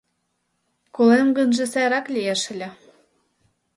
Колем гынже сайрак лиеш ыле.